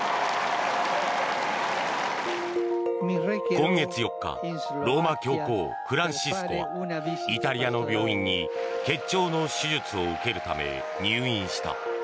今月４日ローマ教皇フランシスコはイタリアの病院に結腸の手術を受けるため入院した。